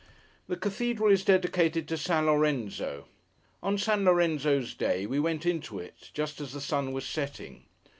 The cathedral is dedicated to St. Lorenzo. On St. Lorenzo's day, we went into it, just as the sun was setting.